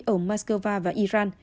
ở moscow và iran